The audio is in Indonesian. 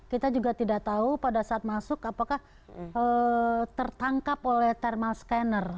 kita juga tidak tahu pada saat masuk apakah tertangkap oleh thermal scanner